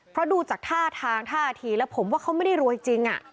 เพราะดูจากท่าทางท่าทีแล้วผมว่าเขาไม่ได้รวยจริง